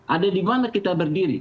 ada di mana kita berdiri